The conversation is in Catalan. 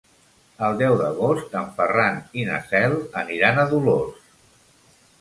El deu d'agost en Ferran i na Cel aniran a Dolors.